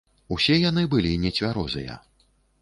Усе яны былі нецвярозыя.